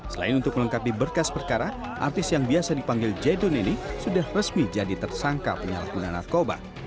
selain untuk melengkapi berkas perkara artis yang biasa dipanggil jedun ini sudah resmi jadi tersangka penyalahgunaan narkoba